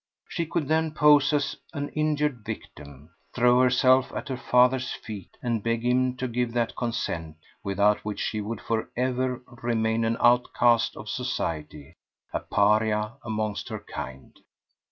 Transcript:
She could then pose as an injured victim, throw herself at her father's feet, and beg him to give that consent without which she would for ever remain an outcast of society, a pariah amongst her kind.